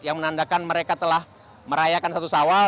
yang menandakan mereka telah merayakan satu sawal